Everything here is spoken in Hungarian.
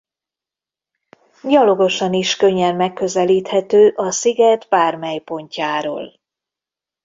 Gyalogosan is könnyen megközelíthető a sziget bármely pontjáról.